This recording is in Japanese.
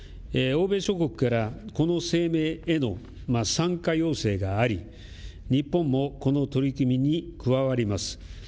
欧米諸国からこの声明への参加要請があり日本もこの取り組みに加わります。